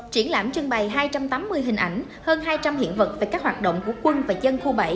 triển lãm trưng bày hai trăm tám mươi hình ảnh hơn hai trăm linh hiện vật về các hoạt động của quân và dân khu bảy